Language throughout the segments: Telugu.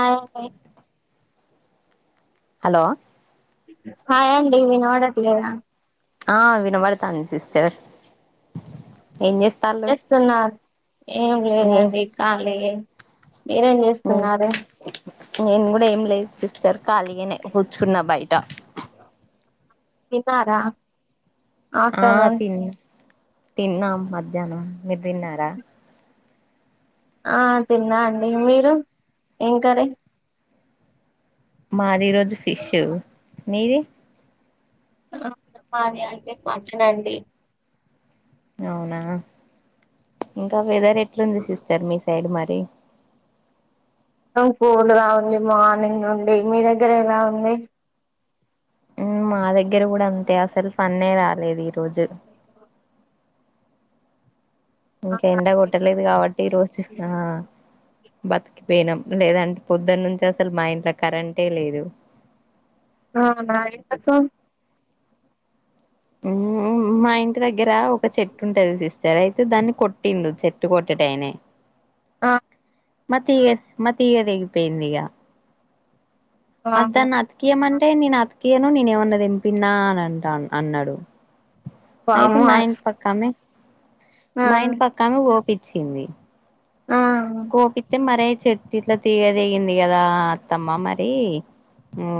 ఆ హలో హాయ్ అండి ఇనో బడట్లేదు ఆ వినబడ్తుంది సిస్టర్ ఏం చేస్తాళ్ళు చేస్తున్నారు ఏం ఏ లేదండి ఖాలీ ఏ మీరేం చేస్తు ఉన్నరు నేను కూడా ఏం లేదు సిస్టర్ ఖాళీగానే కూర్చున్నా బయట తిన్నారా ఆ ఆఫ్టర్నూన్ తిన్ తిన్నాం మధ్యాహ్నం మీరు తిన్నారా ఆ తిన్నా అండి మీరు ఏం కర్రీ మాది ఈ రోజు ఫిషు మీది మాది అంటే మాటన్ అండి అవునా ఇంకా వెదర్ ఎట్లుంది సిస్టర్ మీ సైడ్ మరి కూల్ గ ఉంది మార్నింగ్ నుండి మీ దగ్గర ఎలా ఉంది మా దగ్గర కూడా అంతే అసలు ఫన్నే రాలేదు ఈరోోజు ఇంకా ఎండా కొట్టలేదు కాబట్టి ఈ రోజు ఆ బతికిపోయినాం లేద అంటే పొద్దున్న నుంచి అసలు మా ఇంట్లో కరెంటే లేదు ఆ నా ఇంటకు మా ఇంటి దగ్గర ఒక చెట్టు ఉంటది సిస్ సర అయితే దాన్ని కొట్టిండు చెట్టు కొట్టేటైనే ఆ మతిగ మతిదేగిపోయింది యిగ అవును. అతన అక్క ఏమన్ అంటే నేను అతికియను నేను ఏమన్నా తెంపినా అని అంట అన్నాడు అయితే వామ్మో మా ఆ ఇంట్ పక్కా ఆమే మా ఇంట్ పక్క ఆమే ఓ పిచ్చింది ఆ చెట్టు ఇట్లా తీగదిగింది కదా అత్తమ్మ మరి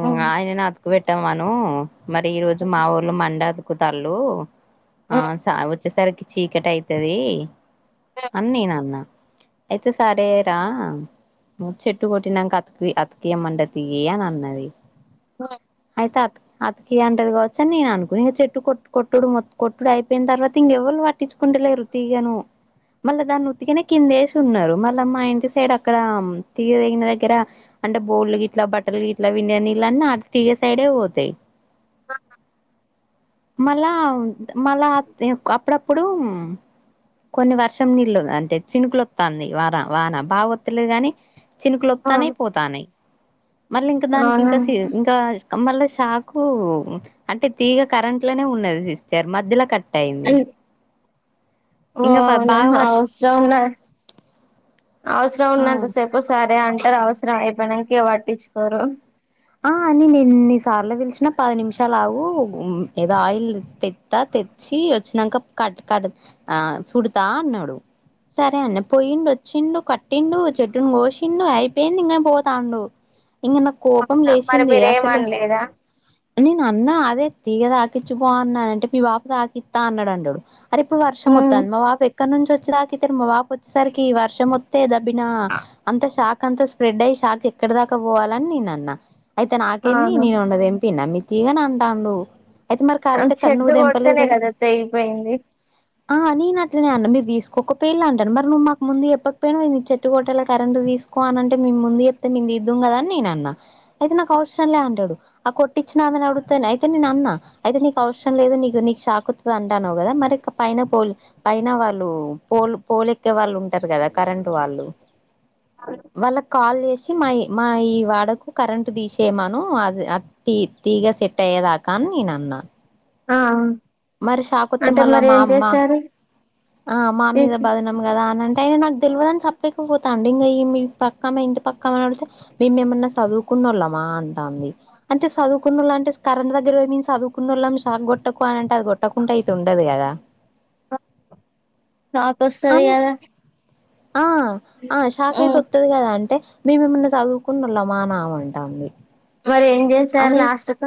ఉమ్, ఉమ్, ఆయన నాకు పెట్టాం మను మరి ఈ రోజు మా ఊర్ళ మడాకుతల్ళు ఉమ్, ఆన్స ఓ వచ్చేసరికి చీకటి అయితది అని నేన్ అన్న అయితే సరేరా చెట్టు కొట్టినాక అతుకి అతుకియమండతియ అని అన్నది అయితే అతకి అంటది కాచ్చ అని నేను అనుకు ఇక చెట్టు కొట్టుడు మొ కొట్టుడు అయిపోయిన తర్వాత ఇంక ఎవరుట్ పట్టించుకుంటలేరు తీగను మళ్ళా ఉతకని దాన్ని ఉతికి కిందే ఎస్ ఎస్తున్నారు మళ్ళ మా ఇంటి సైడ్ అక్కడ తీగదగిన దగ్గర అంటే బోల్డ్లు గ ఇట్లా బట్టలు ఇట్లా విలా నీళ్ళ అన్నా అతిన్న సైడేపోతయి ఆ మళ్ళ అ మళ్ళ అ అప్పుడుఅప్పుడు కొన్ని వర్షం నీళ్ళు అంటే చినుకులు వస్తుంది వన వాన బాగోత్తా యి లే గాని చినుకులు ఉమ్, వొత్తన్నాయి. పోతానయి మళ్ళీ ఇంకా దానికి అవునా ఇంకా ఇంకా మళ్ళ షాకు అంటే తీగ కరెంట్ లోనే ఉన్నది సిస్టర్ మధ్యలో కట్ టైయింది అ అవునా అవసరం ఉన్నా అవసరం ఆ ఉన్నా అంత సేపుస సరే అంటారు అవసరం అయిపోయినానికి పట్టించుకోరు ఆ అని నేన్ని సార్లు పిలిచినా పది నిమిషాలు ఆగు ఏదో ఆయిల్ తా తెచ్చి వచ్చినాంక కట్ కట్ ఆ చూడతా అన్నాడు సరే అన్నా పోయిండు వచ్చిండు కట్టిండు చెట్టును కోసిండు అయిపోయింది ఇంకా పోతాండు ఇంగా నాకు కోపం మరి లేచింది అసలు మీరేమనలేదా నేను అన్న అదే తీగ మాకిచ్చిపో అన్నాడంటా అంటే మీ పాపకి రాపిత్త అన్నాడు అంటా వాడు రేపు వర్షం హ్మ్ వత్తాంది మా పాప ఎక్కడి నుంచి వచ్చి [unintelligible] దాకా ఇ మా పాప వచ్చేసరికి వర్షం వత్తే డినా అంత షాక్ అంతా స్ప్రెడ్ అయ్యి షాక్ ఎక్కడ దాకా పోవాలని నేనన్నా అయితే నాకేంది అవును నేను ఏమన్నా తెంపిన్న మీకు ఇయ్యనాన్ అయితే మరి కాలితే కన్ను చెట్టు తెంపలేదు కొడితేనే కదా తెగిపోయింది ఆ నిను అట్లానే అన్న మీరు తీసుకోకపోయిళ్ళ అంటన మరి నువ్వు మాకు ముందే చెప్పకపోయినావా చెట్టు కొట్టల్ల కరెంట్ తీసు కోనంటే మేము ముందు చెప్తే మీము తిద్దుము కదా అని నేను అన్నా అయితే నాకు అవసరం లే అంటాడు ఆ కొట్టిచ్చిన ఆమె నీ అడుగుతాను అయితే నేన్ అన్నా అయితే నీకు అవసరం లేదు నీ నీకు చా అంటాన్నవు కదా మరి ఇక పైన పోల్ పైన వాళ్ళు పోలు పోలే ఎక్కే వాళ్ళు ఉ ఉంటారు కదా కరెంట్ వాళ్ళు వాళ్ళకు కాల్ చేసి మా మా ఈ వాడకు కరెంట్ తీసేయమను అది అ తీ తీగ సెట్ అయ్యేదాకా అని నేను అన్నా ఆ మరి షాక్ వత్తే అంటే మళ్ళా మరి మా ఏం మా చేశారు ఆ మా మీద తీసి బదనం కదా అని అంటే అయినా నాకు తెలివదని చప్పకపో ఎట్లా అండి మీ మీ పక్క మా ఇంటి పక్క అని అడిగితే మేము ఏమన్నా చదువుకున్న వాళ్ళమా అంటాంది అంటే చదుకున్న వాళ్ళు అంటే కరెంట్ దగ్గర కీ పొయి మిము చదువుకున్న వాళ్ళం షాక్ కొట్టకు అంటే అది కొట్టకుండా అయితే ఉండదు కదా నా కొస్తాది అన్ కదా ఆ ఆ షాక్ అయితే హ్మ్ వత్తాది కదా అంటే మేము ఏమన్నా చదువుకున్న వొళ్ళామ అని ఆమె అంటాంది మరి ఏం చేశారు అని లాస్ట్ కు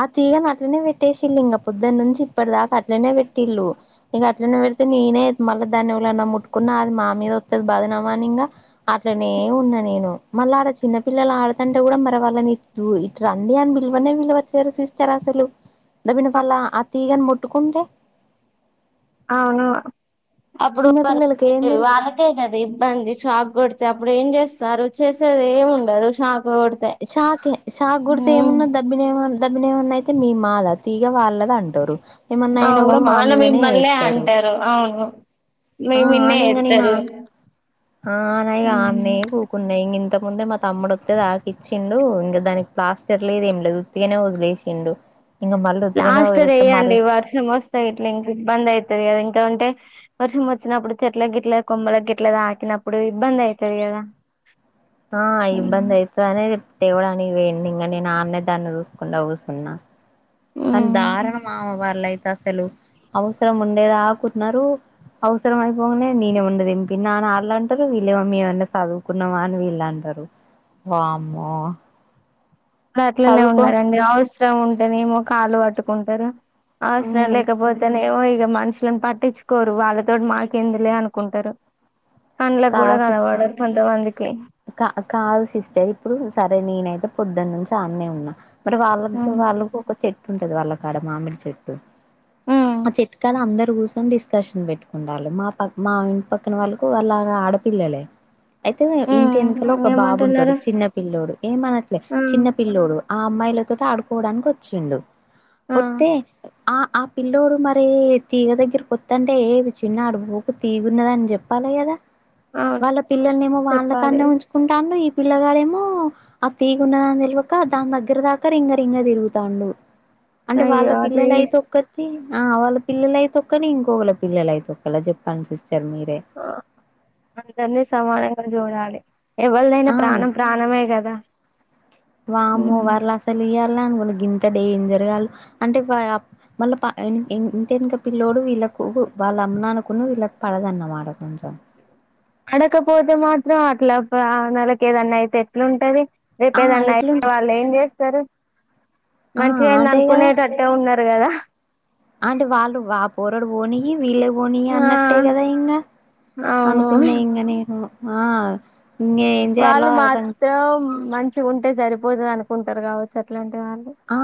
ఆ తీగని అట్లనే పెట్టేసిల్ళు ఇంకా పొద్దున్న నుంచి ఇప్పటి దాకా అట్లనే పెట్టిళ్ళు ఇంక కింద పడితే మేమే మళ్ళా దాన్ని ఏవరన్నా ముట్టుకున్నా అది మా మీద బదనమే అని ఇంగా అట్లనే ఉన్నా నేను మళ్ళీ ఆడ చిన్నపిల్లలు ఆడుతంటే కూడా మరి వాళ్ళని ఇటు రండి అని పిలువనే పిలువట్లేదు సిస్టర్ అసలు దీని వాళ్ళ ఆ తీగని ము ముట్టుకుంటే అవును అప్పుడు చిన్న వాళ్ పిల్లలకి ఏం తెలుసు వాళ్ళకే కదా ఇబ్బంది షాక్ కొడుతు అప్పుడు ఏం చేస్తారు చేసేది ఏమి ఉండదు షా షాక్ షాక్ కొడితే ఏమన్నా దెబ్బలు దెబ్బలు ఏమన్నా అయితే మీమ్ మాద తీ వాళ్ళదే అంటారు ఏమన్నా అయినా అవును కూడా మా వాళ్ళు మీదనే మిమ్మల్నే ఎత్తారు అంటారు అవును మీ ఆ మిన్నే అని ఇంకా నేను ఎత్తరు ఆనే ఆనే గూకున్నా ఇంగా ఇంత ఏమంటే మా తమ్మడు వొత్తే [unintelligible] ఇచ్చిండు ఇంకా దానికి ప్లాస్టర్ లేదు ఏం లేదు ఉత్తిగానే వదిలేసిండు ఇంక మళ్ళీ ఉత్తిగానే ప్లాస్టర్ వదిలేస్తే వేయ్యండి మళ్ళీ వర్షం వస్తే ఇట్లా ఇంక ఇబ్బంది అయితాది ఇంకా అట్లే ఉంటే వర్షం వచ్చినప్పుడు చెట్ల గిట్ల కొమ్మల గిట్ల తాకినప్పుడు ఇబ్బంది అయితాది కదా ఆ ఇబ్బంది అయితానే తేవడానికి పొయిండు ఇంకా నేను అన్నె దాన్ని చూసుకుంటా కూర్చున్న కాని దారుణం మా వాళ్ళ అయితే అసలు అవసరం ఉండే దాక ఉన్నారు అవసరం అయిపోగానే నేను ఏమన్నా తెంపిన్న అని వాళ్ళ అంటారు వీళ్ళేమో మేమన్నా చదువుకున్నామ అని వీళ్ళ అంటారు వామ్మో అట్లనే చదువుకో ఉన్నారండి అవసరం ఉంటేనే ఏమో కాలు పట్టుకుంటారు అవసరం లేకపొతేనెమో ఇంకా మనుషులను పట్టించుకోరు వాళ్ళతోటి మానకేందిలే అనుకుంటారు కండ్లకు కూడా కాదు సిస్టర్ కనబడరు కొంతమందికి కా కాదు సిస్టర్ ఇప్పుడు సరే నిను అయిన పొద్దనుంచి అన్నే ఉన్నా మరి వాళ్ళగ్గు వాళ్ళకు ఒక చెట్టు ఉంటది వాళ్ళక్ కడ మామిడి చెట్టు ఉమ్ ఆ చెట్కాడ అందరు కూసొని డిస్కషన్ పెట్టుకుంటాళ్ళు మా ప మా ఇంటి పక్కన వాళ్ళకు వాళ్ళ ఆడపిల్లలే అయితే ఇంటి హ్మ్ వెనకలోక బాబుంటాడు ఏమంటున్నారు చిన్న పిల్ల్లోడు ఏమనట్లే ఆ చిన్న పిల్ల్లోడు ఆ అమ్మాయిల తోటి ఆడుకోవడానికి వచ్చిండు ఆ వతే ఆ ఆ పిల్లోడు మరి తీగ దగ్గరికొత్తంటే ఏ చిన్నా అటు పోకు తీగున్నదని చెప్ప లే కదా అవును వాళ్ళ పిల్లలనేమో వాళ్ళ చెప్పాలి కాన్నే ఉంచుకుంటళ్ళు ఈ పిల్లగాడేమో ఆ తీగున్న దాని తెలువక దాని దగ్గరి దాకా రింగ రింగ తిరుగుతాండు అంటే వాళ్ళ అయ్యో అట్లా చేస్ పిల్లలైతే ఒక్క ఆ వాళ్ళ పిల్లలైతే ఒక్కలు ఇంకొకళ పిల్లలైతే ఒక్కలా చెప్పడి సిస్ టర్ మీరే అందర్ని సమానంగా చూడాలి ఎవల్దై ఆ ప్రాణం ప్రాణమే కదా మ్ అను గింత డేంజర్గాళ్ళు అంటే వ వాళ్ళ ప ఇంటెనుక పిల్ల్లోడు వీళ్ళ కు వాళ్ళ అమ్మనుకున్ను వీళ్ల అడకపోతే మాత్రం అట్ ఎట్ల ప్రనలకు ఏదన్నా అయితే ఎట్లా ఉంటది ఆ చెప్పేదనైతే ఎట్లుంట వాళ్ళు ఏం చేస్తారు ఆ మంచిగా ఆఇంది అదే కదా అనుకునేటట్టే ఉన్నార్ కదా అంటే వాళ్ళు ఆ పోరడు పోనీ వీళ్ళే పోని ఆ అన్నట్టే కదా ఇంగ అవును అనుకున్నా ఇంగ నేను ఆ ఇంగ ఏం చేయాలో వాళ్ళు అర్థం మాత్రం మంచిగ ఉంటే సరిపోతది అనుకుంటారు కావచ్చు అట్లంటి ఆ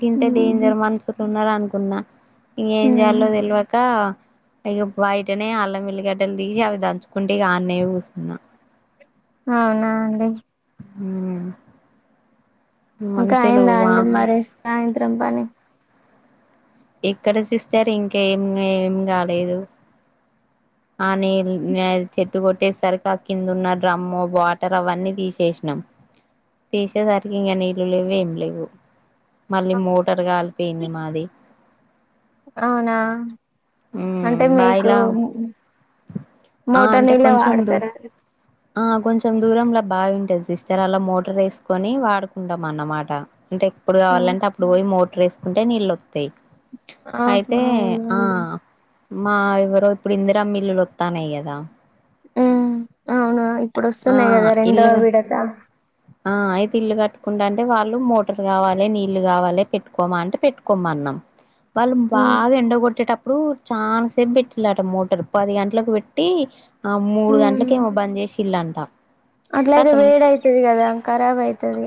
గింత హ్మ్ డేంజర్ మనుసులు ఉన్నారనుకున్నా ఇంగ ఏం హ్మ్. చేయాలో తెలువక ఇగ బయటనే అల్లం వెల్లిగడ్డలు తీసి అవి దంచుకుంటే ఇగ అన్న కుసున్నా అవునా అండి మ్ ఇంకా మనుషులు అయిందా అండి వామ్మో మరి సాయంత్రం పని ఇక్కడ సిస్టర్ ఇంకా ఏం ఏం కాలేదు అనిల్ అద్ చెట్టు కొట్టేసరికి ఆ కిందున్న డ్రమ్ము వాటర్ అవన్నీ తీసేసిన తీసేసరికి ఇగ నీళ్లు లేవు ఏం లేవు మళ్ళీ మోటరు కాళీ పోయింది మాది అవునా మ్ అంటే మీకు బాయిలా ఆ! మోటర్ అంటే నీళ్ళే కొంచెం దూ వాడుతార ఆ కొంచెం దూరంలా బాయి ఉంటది సిస్టర్ అల్ల మోటర్ వేసుకొని వాడుకుంటాం అన్నమాట అంటే ఎప్పుడు ఉమ్, కావాలంటే అప్పుడు పోయి మోటరేసుకుంటే నీళ్ళుొస్తాయి ఆహా అయితే ఆ అవునండి మా ఎవరో ఇప్పుడు ఇందిరమ్మ ఇల్లులోత్తనయి కద మ్ అవును ఆ! ఆ! ఇప్పుడోస్తున్నాయి కదా రెండో ఇల్లు సిస్టర్. విడత ఆ అయితే ఇల్లు కట్టుకుంటా అంటే వాళ్ళు మోటర్ కావాలే నీళ్లు కావాలే పెట్టుకోమా అంటే పెట్టుకోమ్మన్నాం వాళ్ళు ఉమ్, బాగా ఎండగొట్టేటప్ ప్పుడు చాలా సేపు పెట్టిలాట మోటార్ పది గంటలకు పెట్టి ఆ మూడు ఉమ్. గంటలకేమో బంద్ చేసిలంట అట్లయితే వేడైతది కదా ఖరాబ్ అయితది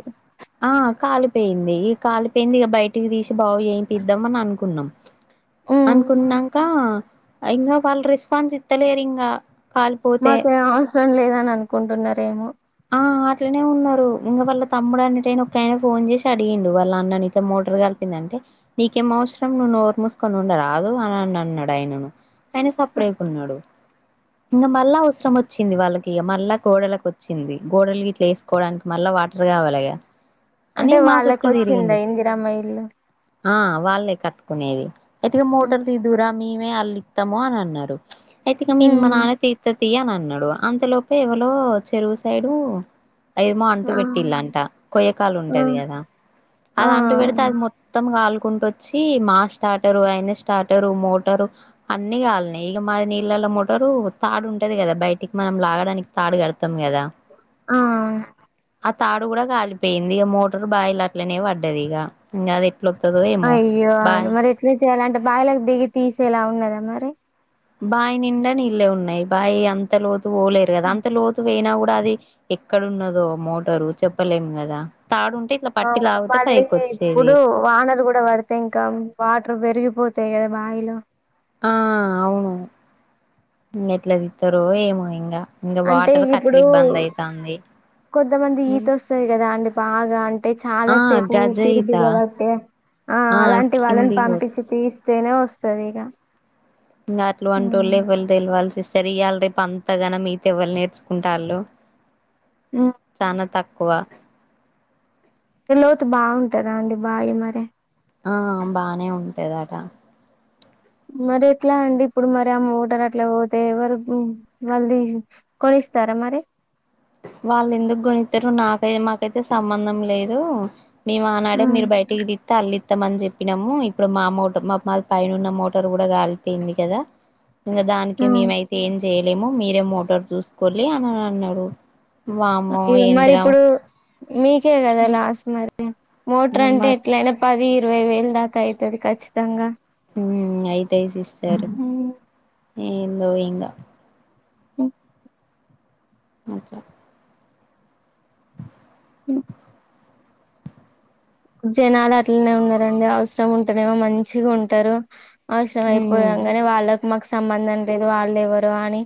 ఆ! కాలిపోయింది ఈ కాలిపోయింది ఇగ బయటికి తీసి బాగు చేపిద్దాం అని అనుకున్నాం అన్ అంకా ఇంగా వాళ్లు రెస్పాన్స్ ఇత్తలేరీంగా మాకేం అవసరం లేదని అనుకుంటున్నారేమో ఆ అట్లనే ఉన్నారు ఇంగా వాళ్ళ తమ్ముడు అనేటైనా ఒక ఆయన ఫోన్ చేసి అడిగిండు వాళ్ళ అన్నని ఇట్ల మోటర్ కాలిపోయిందంటే నీకేం అవసరం నువ్వు నోరు మూసుకొని ఉండ రాదు అని అన్నాడు ఆయనను ఆయన సప్పుడ చెయ్యకుండా ఉన్నాడు ఇంగా మళ్ళా అవసరం వచ్చింది వాళ్ళకి ఇగా మళ్ళా గోడలకు వ వచ్చింది గోడలు గిట్లా ఏసుకోవడానికి మళ్ల వాటర్ కావాలేగా అని అంటే మా వాళ్ళకు సుట్టూ వచ్చిందా తిరిగిండు ఇందిరమ్మ ఇల్లు ఆ వాళ్లే కట్ కునేది అయితే ఇగా మోటార్ ఉమ్, తీదువురా మేమే అల్లిత్తము అని అన్నారు అయితే ఇగా మీ మా ఉమ్, నాన్న తీత్త తియ్యి అని అన్నడు అంతలోపె ఎవలో చెరువు సైడు ఏమో అంటు ఆ పెట్టిలంట కొయ్యకాలు ఆ ఉంటది కదా ఆ అది అంటు వెడితే అవును అది మొత్తం కాలు కుంట వచ్చి మా స్టార్టరు అయిన స్టార్టర్ మోటరు అన్ని కాలిన్నాయి ఇక మాది నీళ్ల ల మోటారు తాడు ఉంటది కదా బయటికి మనం లాగడానికి తాడు కడత ఆ ఆ తాడు కూడా కాలిపోయింది ఇగ మోటర్ బాయిల అట్లనే పడ్డది ఇగ ఇంకా అది ఎట్లొత్తదో ఏమో అయ్యో బాయ్ అండి మరి ఎట్లా చేయాలి అంటే బాయిలకి దిగి తీసేలా ఉన్నదా మరి బాయి నిండా నీళ్ళే ఉన్నాయి బాయి అంత లోతు పోలేరు కదా హ్మ్. అంత లోతు పోయినా కూడా అది ఎక్కడున్నదో మోటరు చెప్పలేము కదా తాడుంటే ఇట్లా పట్టి అవును లాగితే మళ్ళీ పైకి వచ్చేది ఇప్పుడు వానలు కూడా పడితే ఇంకా వాటర్ పెరిగిపో తాయి కదా బాయిలో ఆ అవును ఇంగా ఎట్లా తిత్తరో ఏమో ఇంగా ఇంగా అంటే వాటర్ కి అట్ల ఇప్పుడు ఇబ్బంది అయితాంది కొంతమంది ఈత ఉమ్, వస్తది కదా అండి బాగా అంటే చాలా ఆ సేపు గజ ఊపిరి ఈత బిగబట్టే ఆ ఆ అలాంటి వాళ్ళని కిందికి వస్- పంపిచ్చి తీస్తేనే వస్తది ఇగ ఇంగా అట్లావంటోళ్ళే ఎవల్ తెల్వాలి సి ఇయాల్ రేపు అంతగనం ఈత ఎవరు నేర్చుకుంటాళ్ళు హ్మ్. చానా తక్ క్కువ లోతు బావుంటదా అండి బాయి మరి ఆ బానే ఉంటదట మరి ఎట్లా అండి ఇప్పుడు మరి అ మోటార్ అట్లా పోతే ఎవరు వాళ్ల్ తీసి కొని స్తార మరి వాళ్ళు ఎందుకు కొనిత్తరు నాకై మాకైతే సంబంధం లేదు మేము ఆనాడే హ్మ్. మీరు బయటికి తితే అల్లి త్తమని చెప్పినాము ఇప్పుడు మా మోటార్ మా మాది పైన ఉన్న మోటార్ కూడా కాలిపోయింది కదా ఇంగా దానికి హ్మ్. మేమైతే ఏం చేయలేము మీరే మోటార్ చూసుకోలి అని అన్ అన్నరు మరి ఇప్పుడు మీకే కదా లాస్ మరి మోటార్ అంటే మరి ఎట్లైనా పది ఇరవై వేలు దాకా అయితది ఖచ్చితంగా ఉమ్ అయితయి సిస్టర్ ఏందో ఇంగా అ ఇంకా అ జనాలు అట్లానే ఉన్నారండి అవసరం ఉంటేనేమో మంచిగా ఉంటారు అవసరం మ్మ్ అయిపోయంగానే వాళ్ళకు మాకు స్ సంబంధం లేదు వాళ్ళు ఎవరు అని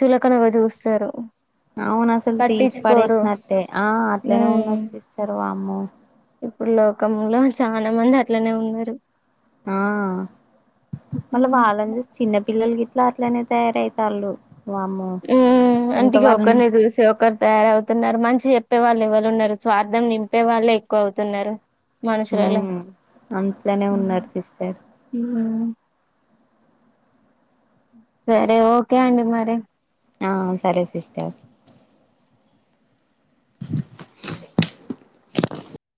చులకనగా చూస్తారు అవును అసలు తీసి పట్టించుకోరు పడేసినట్టే ఆ అట్లనే ఉన్నరూ ఉమ్ సిస్టర్ వామ్మో ఇప్పుడు లోకంలో చాలా మంది అట్లనే ఉన్నారు ఆ వాళ్ళనీ చూసి చిన్న పిల్లలు గిట్ల అట్లనే తయారయితారు ఉ అంటిగా ఒకరిని చూసి ఒకరు తయారవుతున్నారు మంచిగా చెప్ తప్పే వాళ్ళు ఎవలు ఉన్నారు స్వార్థం నింపే వాళ్ళే ఎక్కువ అవుతున్నారు మనషూ లల్ల ఉమ్ అట్లనే ఉన్నారు సిస్టర్ సరే ఓకే అండి మరి ఆ సరే సిస్టర్